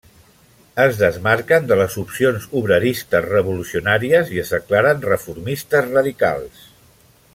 Es desmarquen de les opcions obreristes revolucionàries i es declaren reformistes radicals.